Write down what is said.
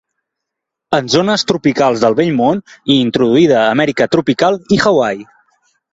En zones tropicals del vell Món i introduïda a Amèrica tropical i Hawaii.